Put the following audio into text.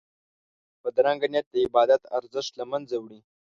بدرنګه نیت د عبادت ارزښت له منځه وړي